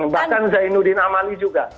bahkan zainuddin amali juga